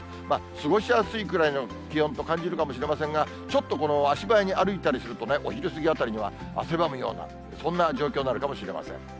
過ごしやすいくらいの気温と感じるかもしれませんが、ちょっとこの足早に歩いたりするとね、お昼過ぎあたりには汗ばむような、そんな状況になるかもしれません。